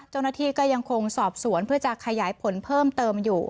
เจ้าหน้าที่ก็ยังคงสอบสวนเพื่อจะขยายผลเพิ่มเติมอยู่